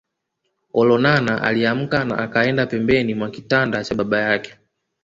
Olonana aliamka na akaenda pembeni mwa kitanda cha baba yake